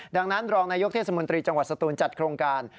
ดังนั้นรองนายกเทศมนตรีจังหวัดสตูนจัดโครงการ